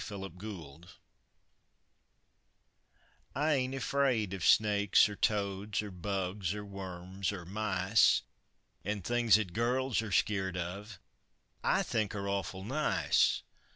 _ Seein' Things I ain't afeard uv snakes, or toads, or bugs, or worms, or mice, An' things 'at girls are skeered uv I think are awful nice!